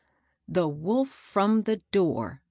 "* The wolf from the door!